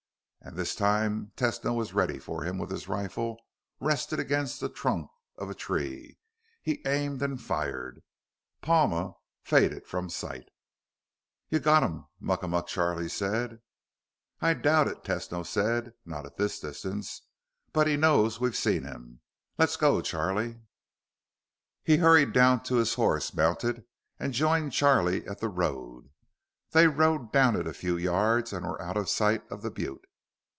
And this time Tesno was ready for him with his rifle rested against the trunk of a tree. He aimed and fired. Palma faded from sight. "You gottem!" Muckamuck Charlie said. "I doubt it," Tesno said. "Not at this distance. But he knows we've seen him. Let's go, Charlie." He hurried down to his horse, mounted, and joined Charlie at the road. They rode down it a few yards and were out of sight of the butte.